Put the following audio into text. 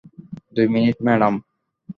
দুই minute, madam.